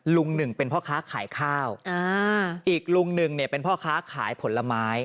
ลุงหนึ่งเป็นพ่อค้าขายข้าวอ่าอีกลุงหนึ่งเนี่ยเป็นพ่อค้าขายผลไม้